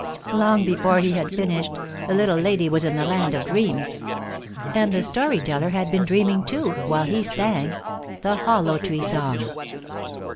Long before he had finished, the Little Lady was in the land of dreams. And the Story Teller had been dreaming, too, while he sang. THE HOLLOW TREE SONG.